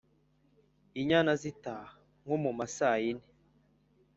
Inyana zitaha (nko mu masaa yine)